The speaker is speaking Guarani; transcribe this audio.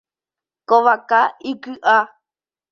Ko vaka iky’a.